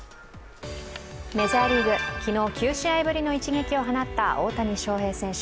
メジャーリーグ、昨日９試合ぶりの一撃を放った大谷翔平選手。